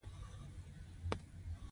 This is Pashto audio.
راکټ د تخنیک، دقت او عقل نغښتلی تصویر دی